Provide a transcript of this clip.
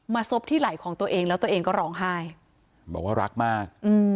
ซบที่ไหลของตัวเองแล้วตัวเองก็ร้องไห้บอกว่ารักมากอืม